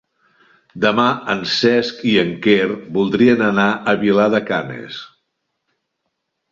Demà en Cesc i en Quer voldrien anar a Vilar de Canes.